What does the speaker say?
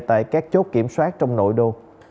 tại các chốt kiểm soát trong nội đô